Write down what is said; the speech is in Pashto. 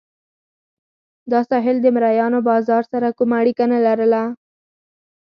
دا ساحل د مریانو بازار سره کومه اړیکه نه لرله.